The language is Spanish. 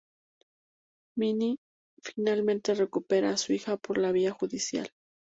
Mimí finalmente recupera a su hija por la vía judicial.